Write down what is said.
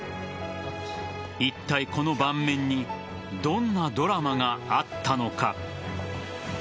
いったい、この盤面にどんなドラマがあったのか。